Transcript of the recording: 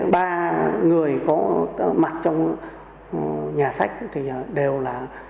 ba người có mặt trong nhà sách thì đều là